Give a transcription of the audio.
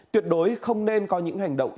tuyệt đối không nên có những hành động